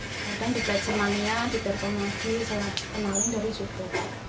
kadang di belajar nanya di berkomunisi saya kenalin dari suku